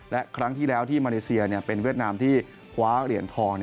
และครั้งที่แล้วที่มาเลเซียเป็นเวียดนามที่คว้าเหรียญทอง